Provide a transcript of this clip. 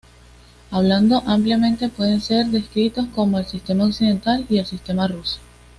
Hablando ampliamente, pueden ser descritos como el sistema "Occidental", y el sistema "Ruso".